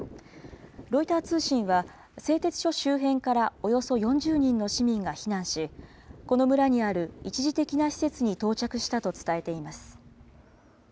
ロイター通信は、製鉄所周辺からおよそ４０人の市民が避難し、この村にある一時的な施設に到着したと伝えています。